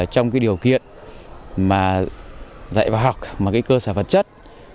trong điều kiện dạy và học cơ sở vật chất